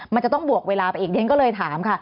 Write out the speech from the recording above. มันจะต้องบวกเวลาไปอีกเดี๋ยวฉันก็เลยถามค่ะ